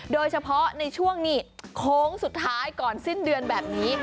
โดยเฉพาะในช่วงนี้โค้งสุดท้ายก่อนสิ้นเดือนแบบนี้